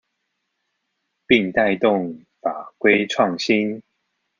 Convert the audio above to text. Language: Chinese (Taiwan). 並帶動法規創新